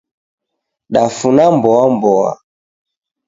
Dafuna mboa mboa